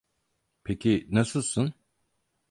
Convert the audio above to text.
Peki nasılsın?